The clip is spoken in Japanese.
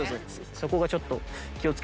そこがちょっと。